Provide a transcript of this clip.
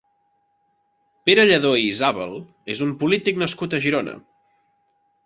Pere Lladó i Isàbal és un polític nascut a Girona.